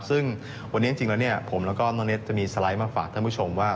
ซึ่งวันนี้จริงแล้วเนี่ยผมแล้วก็น้องเน็ตจะมีสไลด์มาฝากท่านผู้ชมว่า